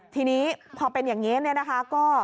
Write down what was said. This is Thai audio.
ทีนี้พอเป็นอย่างนี้เนี่ยนะคะ